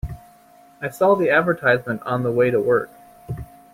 I saw the advertisement on the way to work.